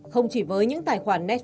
không chỉ với những tài khoản netflix